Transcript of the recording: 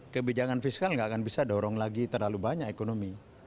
kebijakan fiskal nggak akan bisa dorong lagi terlalu banyak ekonomi